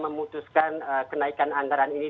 memutuskan kenaikan anggaran ini